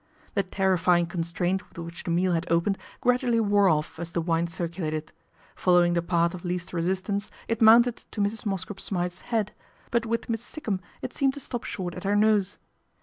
The terrifying constraint with which the meal had opened gradually wore off as the wine circu lated. Following the path of least resistance, it mounted to Mrs. Mosscrop Smythe's head ; but with Miss Sikkum it seemed to stop short at her nose.